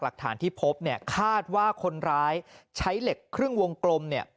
หลักฐานที่พบเนี่ยคาดว่าคนร้ายใช้เหล็กครึ่งวงกลมเนี่ย